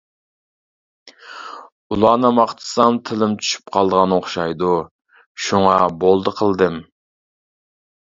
ئۇلارنى ماختىسام تىلىم چۈشۈپ قالىدىغان ئوخشايدۇ شۇڭا بولدى قىلدىم.